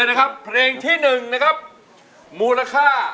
จับไปดิบดิ